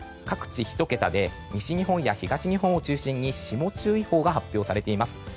各地１桁で西日本や東日本を中心に霜注意報が発表されています。